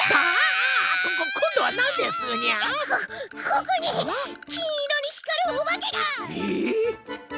こここに金色に光るおばけが！えっ！？